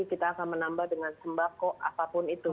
kita akan menambah dengan sembako apapun itu